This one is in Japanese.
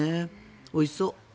おいしそう。